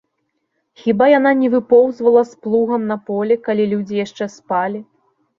Хіба яна не выпоўзвала з плугам на поле, калі людзі яшчэ спалі?